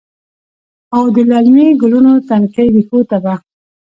او د للمې ګلونو، تنکۍ ریښو ته به،